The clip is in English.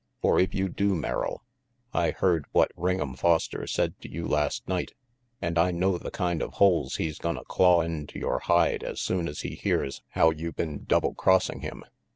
For if you do, Merrill ! I heard what Ring'em Foster said to you last night, and I know the kind of holes he's gonna claw into yore hide as soon as he hears how you been double crossing him.